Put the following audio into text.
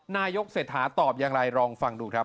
นายกเศรษฐาตอบอย่างไรลองฟังดูครับ